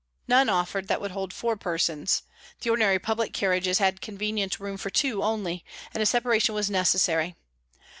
None offered that would hold four persons; the ordinary public carriages have convenient room for two only, and a separation was necessary.